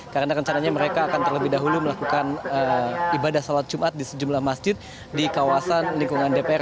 karena rencananya mereka akan terlebih dahulu melakukan ibadah salat jumat di sejumlah masjid di kawasan lingkungan dpr